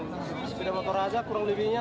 sepedang motor aja kurang lebihnya seratus